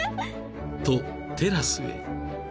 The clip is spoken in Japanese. ［とテラスへ］